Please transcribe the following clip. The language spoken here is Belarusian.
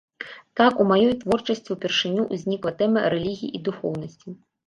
Так у маёй творчасці ўпершыню ўзнікла тэма рэлігіі і духоўнасці.